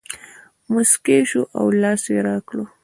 مسکی شو او لاس یې راکړ.